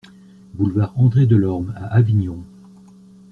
Boulevard André Delorme à Avignon